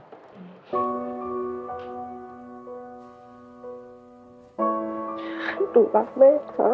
ต้องรับไหมค่ะ